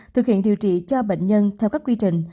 thực hiện điều trị cho bệnh nhân theo các quy trình